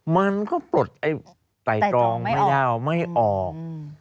มันก็ปลดไต่ตรองไม่ออก